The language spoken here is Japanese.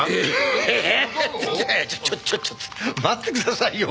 ちょっちょっちょっと待ってくださいよ。